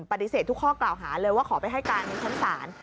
ปฏิเสธทุกข้อกล่าวหาเลยว่าขอไปให้การในชั้นศาล